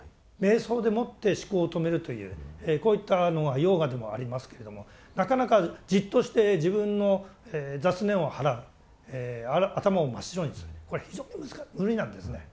瞑想でもって思考を止めるというこういったのがヨーガでもありますけれどもなかなかじっとして自分の雑念を払う頭を真っ白にするこれは非常に無理なんですね。